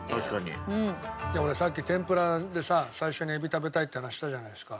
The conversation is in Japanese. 俺さっき天ぷらでさ最初にエビ食べたいって話したじゃないですか。